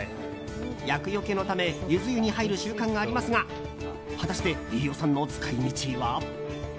厄よけのためユズ湯に入る習慣がありますが果たして、飯尾さんの使い道は？